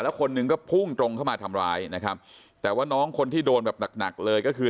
คนหนึ่งก็พุ่งตรงเข้ามาทำร้ายนะครับแต่ว่าน้องคนที่โดนแบบหนักหนักเลยก็คือ